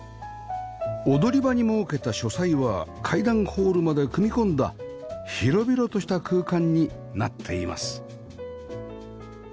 踊り場に設けた書斎は階段ホールまで組み込んだ広々とした空間になっています